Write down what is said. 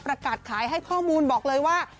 ประกาศขายให้ข้อมูลบอกเลยว่า